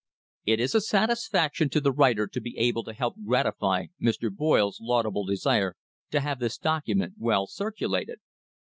It is a satisfaction to the writer to be able to help gratify Mr. Boyle's laudable desire to have this document well cir culated!